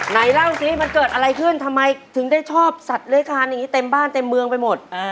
ไหนเล่าสิมันเกิดอะไรขึ้นทำไมถึงได้ชอบสัตว์เลื้อยคานอย่างนี้เต็มบ้านเต็มเมืองไปหมด